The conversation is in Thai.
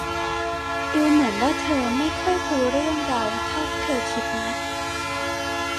ดูเหมือนว่าเธอไม่ค่อยรู้เรื่องเราเท่าที่เธอคิดนะ